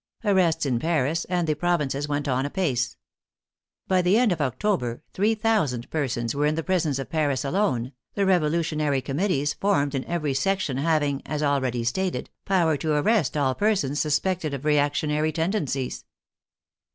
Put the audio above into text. Arrests in Paris and the pro vinces went on apace. By the end of October 3,000 per sons were in the prisons of Paris alone, the revolution ary committees formed in every section having, as al ready stated, power to arrest all persons suspected of reactionary tendencies.